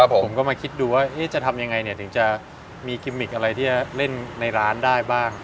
ผมก็มาคิดดูว่าจะทำยังไงถึงจะมีกิมมิกอะไรที่จะเล่นในร้านได้บ้าง